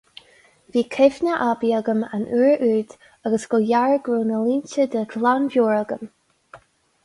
Bhí cuimhne aibí agam an uair úd agus go ghearr go raibh na línte de ghlanmheabhair agam.